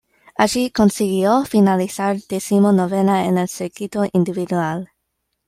Allí consiguió finalizar decimonovena en el circuito individual.